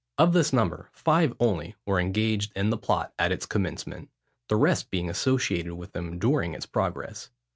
Of this number, five only were engaged in the plot at its commencement, the rest being associated with them during its progress.